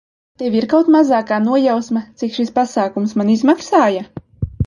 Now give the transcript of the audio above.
Tev ir kaut mazākā nojausma, cik šis pasākums man izmaksāja?